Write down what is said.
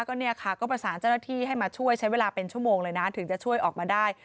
ก็เนี่ยค่ะก็ประสานเจ้าหน้าที่ให้มาช่วยใช้เวลาเป็นชั่วโมงเลยนะถึงจะช่วยออกมาได้